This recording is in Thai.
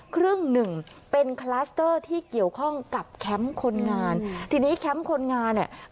ครึ่งหนึ่งเป็นคลัสเตอร์ที่เกี่ยวข้องกับแคมป์คนงานทีนี้แคมป์คนงานเนี่ย